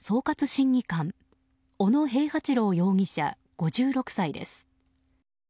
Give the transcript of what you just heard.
審議官小野平八郎容疑者、５６歳です。